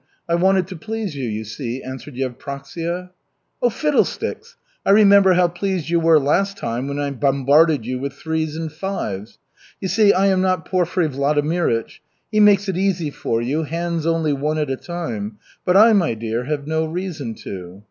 I wanted to please you, you see," answered Yevpraksia. "Fiddlesticks! I remember how pleased you were last time when I bombarded you with threes and fives. You see, I am not Porfiry Vladimirych. He makes it easy for you, hands only one at a time, but I, my dear, have no reason to."